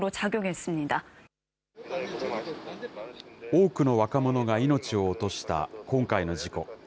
多くの若者が命を落とした今回の事故。